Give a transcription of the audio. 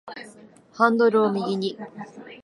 ハンドルを右に